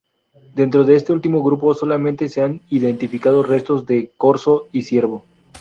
Dentro de este último grupo, solamente se han identificado restos de corzo y ciervo.